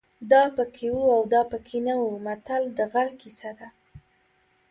دا پکې وو او دا پکې نه وو متل د غل کیسه ده